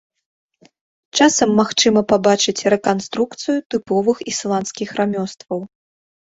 Часам магчыма пабачыць рэканструкцыю тыповых ісландскіх рамёстваў.